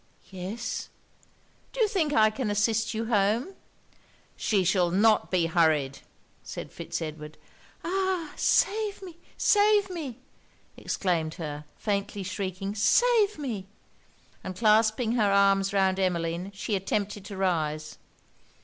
'Yes.' 'Do you think I can assist you home?' 'She shall not be hurried,' said Fitz Edward. 'Ah! save me! save me!' exclaimed she, faintly shrieking 'save me!' and clasping her arms round Emmeline, she attempted to rise.